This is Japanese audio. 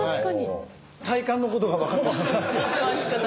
体幹のことが分かってきた。